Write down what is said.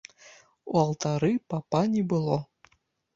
У алтары папа не было.